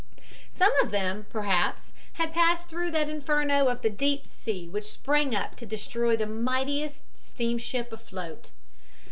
Some of them, perhaps, had passed through that inferno of the deep sea which sprang up to destroy the mightiest steamship afloat.